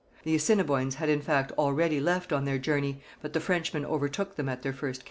The Assiniboines had in fact already left on their journey, but the Frenchmen overtook them at their first camp.